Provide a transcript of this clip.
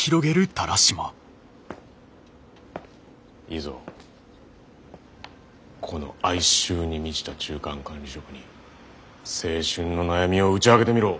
いいぞこの哀愁に満ちた中間管理職に青春の悩みを打ち明けてみろ。